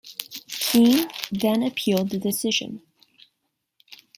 Keene then appealed the decision.